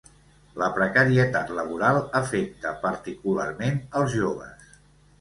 La precarietat laboral afecta particularment els joves.